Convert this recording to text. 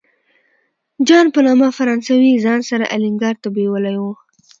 جان په نامه فرانسوی یې ځان سره الینګار ته بیولی و.